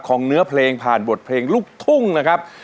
เนื้อเพลงผ่านบทเพลงลูกทุ่งนะครับ